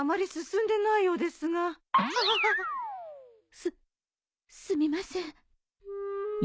すすみません。